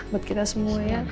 buat kita semua ya